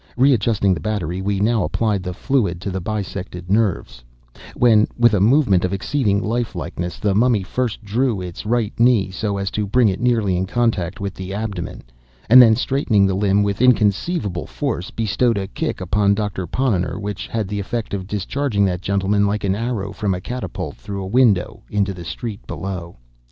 Readjusting the battery, we now applied the fluid to the bisected nerves—when, with a movement of exceeding life likeness, the Mummy first drew up its right knee so as to bring it nearly in contact with the abdomen, and then, straightening the limb with inconceivable force, bestowed a kick upon Doctor Ponnonner, which had the effect of discharging that gentleman, like an arrow from a catapult, through a window into the street below.